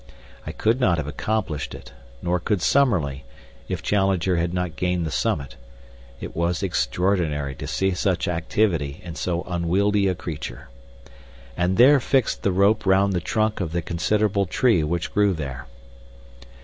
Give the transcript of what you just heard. I could not have accomplished it, nor could Summerlee, if Challenger had not gained the summit (it was extraordinary to see such activity in so unwieldy a creature) and there fixed the rope round the trunk of the considerable tree which grew there.